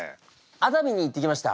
熱海に行ってきました。